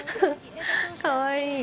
かわいい。